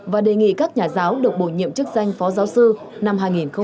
và đề nghị các nhà giáo được bổ nhiệm chức danh phó giáo sư năm hai nghìn một mươi sáu